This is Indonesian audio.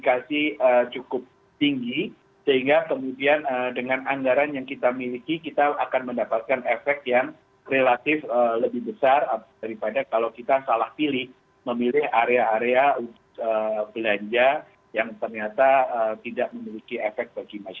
kasihan indonesia newsroom akan segera kembali